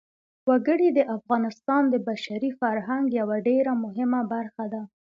وګړي د افغانستان د بشري فرهنګ یوه ډېره مهمه برخه ده.